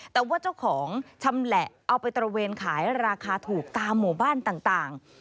แต่ว่าเจ้าของชำแหละเอาไปตระเวนขายราคาถูกตามหมู่บ้านต่าง